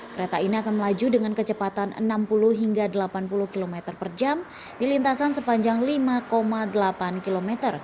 kereta ini akan melaju dengan kecepatan enam puluh hingga delapan puluh km per jam di lintasan sepanjang lima delapan km